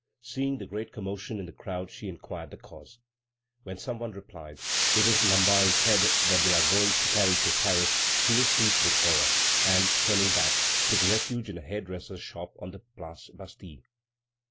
Seeing the great commotion in the crowd, she inquired the cause. When some one replied: "It is Lamballe's head that they are going to carry through Paris," she was seized with horror, and, turning back, took refuge in a hairdresser's shop on the Place Bastille.